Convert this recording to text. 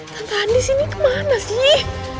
tante andy sini kemana sih